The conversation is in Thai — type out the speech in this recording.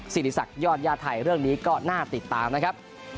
ศิริษักยอดญาติไทยเรื่องนี้ก็น่าติดตามนะครับ